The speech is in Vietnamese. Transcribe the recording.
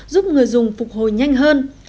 giúp người dùng phục hồi nhanh hơn